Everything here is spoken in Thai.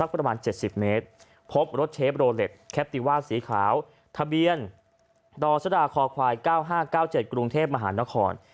พบรถเชฟโรเล็ตแคปติว่าสีขาวทะเบียนดศดาคอควาย๙๕๙๗กรุงเทพฯมหานคร